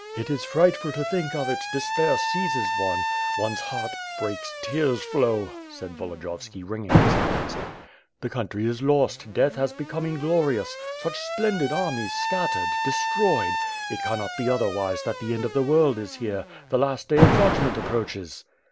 "It is frightful to think of it, despair seizes one, one's heart WITH FIRE AND SWORD. 509 breaks, tears flow/^ said Volodyovski, wringing his hands; "the country is lost, death has beconnte inglorious — such splendid armies scattered .... destroyed! It cannot be otherwise than that the end of the world is here, the las t day of judg ment approaches."